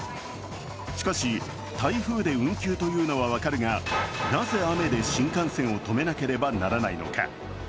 しかし、台風で運休というのは分かるがなぜ雨で新幹線を止めなければならないのか。